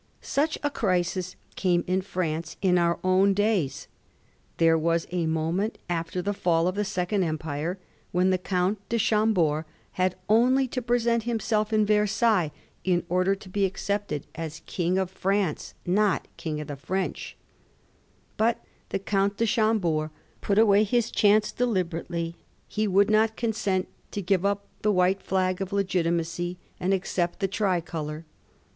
Such a crisis came in France in our own days. There was a moment, after the fall of the Second Empire, when the Count de Chambord had only to present himself in Versailles in order to be accepted as King of Digiti zed by Google 1714 THE COCNCIL AT KENSINGTON. 58 France, not King of the French, But the Count de Ohambord put away his chance deliberately; he would not consent to give up the white flag of legitimacy and accept the tricolor.